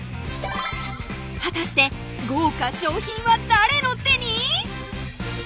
果たして豪華賞品は誰の手に？